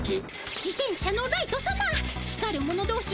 自転車のライトさま光るものどうし